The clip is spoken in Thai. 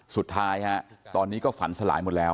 สุดท้ายฮะตอนนี้ก็ฝันสลายหมดแล้ว